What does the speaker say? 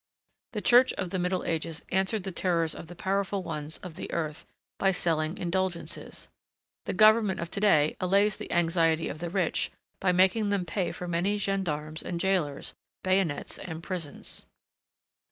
The Church of the Middle Ages answered the terrors of the powerful ones of the earth by selling indulgences. The government of to day allays the anxiety of the rich by making them pay for many gendarmes and jailers, bayonets and prisons.